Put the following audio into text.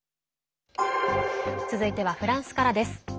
続いてはフランスからです。